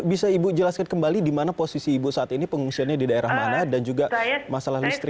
bisa ibu jelaskan kembali di mana posisi ibu saat ini pengungsiannya di daerah mana dan juga masalah listrik